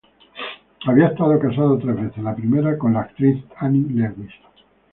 Había estado casado tres veces: la primera con la actriz Annie Lewis,